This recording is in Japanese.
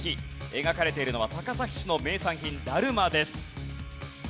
描かれているのは高崎市の名産品だるまです。